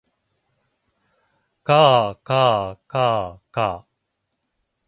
かあかあかあか